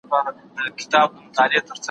زه به سبا د ژبي تمرين وکړم!؟